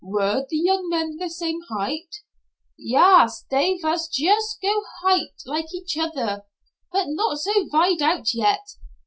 Were the young men the same height?" "Yas, dey vas yust so high like each other, but not so vide out yet.